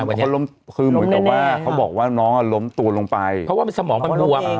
คือเหมือนกับว่าเขาบอกว่าน้องล้มตัวลงไปเพราะว่ามันสมองมันบวม